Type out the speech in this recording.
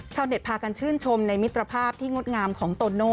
พากันชื่นชมในมิตรภาพที่งดงามของโตโน่